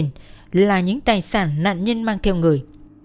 như truyền là những tài sản nạn nhân mang theo người